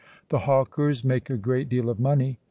The hawkers make a great deal of money.